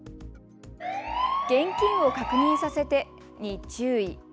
現金を確認させてに注意。